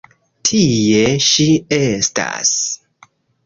Tie ŝi estas.